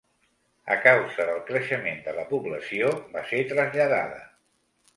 A causa del creixement de la població va ser traslladada.